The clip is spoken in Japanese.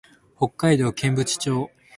北海道剣淵町